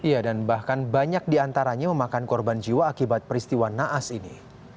iya dan bahkan banyak diantaranya memakan korban jiwa akibat peristiwa naas ini